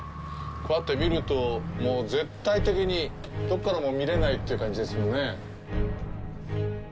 こうやって見ると、もう絶対的にどこからも見れないという感じですもんね。